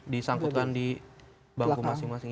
disangkutkan di bangku masing masing